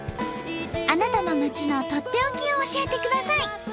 あなたの町のとっておきを教えてください。